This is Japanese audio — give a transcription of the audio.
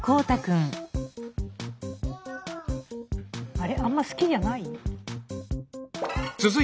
あんま好きじゃない？